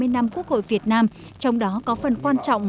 hai mươi năm quốc hội việt nam trong đó có phần quan trọng